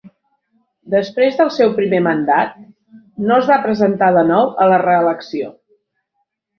Després del seu primer mandat, no es va presentar de nou a la reelecció.